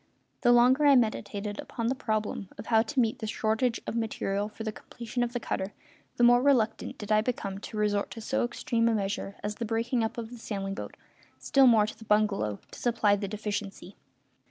The longer I meditated upon the problem of how to meet the shortage of material for the completion of the cutter the more reluctant did I become to resort to so extreme a measure as the breaking up of the sailing boat, still more the bungalow, to supply the deficiency.